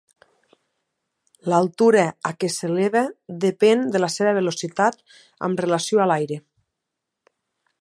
L'altura a què s'eleva depèn de la seva velocitat amb relació a l'aire.